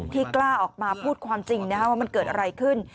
กล้าออกมาพูดความจริงว่ามันเกิดอะไรขึ้น